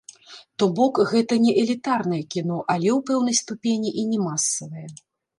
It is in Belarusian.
То бок, гэта не элітарнае кіно, але, у пэўнай ступені, і не масавае.